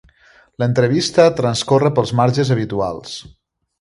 L'entrevista transcorre pels marges habituals.